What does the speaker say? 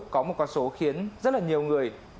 có một con số khiến rất là nhiều người